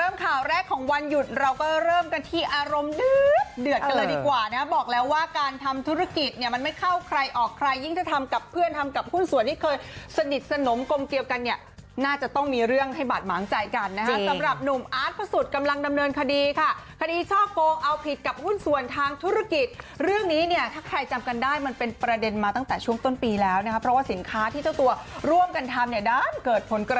มาเริ่มข่าวแรกของวันหยุดเราก็เริ่มกันที่อารมณ์